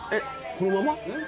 このまま？